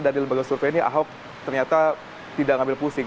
dari lembaga survei ini ahok ternyata tidak mengambil pusing